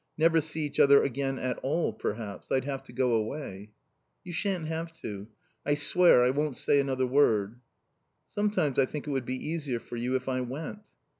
Never see each other again at all, perhaps. I'd have to go away." "You shan't have to. I swear I won't say another word." "Sometimes I think it would be easier for you if I went."